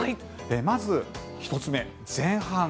まず、１つ目、前半。